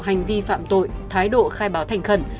hành vi phạm tội thái độ khai báo thành khẩn